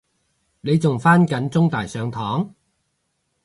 你仲返緊中大上堂？